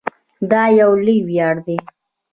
دا یو لوی ویاړ دی.